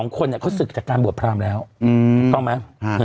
๒คนเขาศึกจากการบวชพรามแล้วถูกต้องไหม